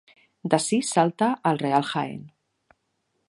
D'ací salta al Real Jaén.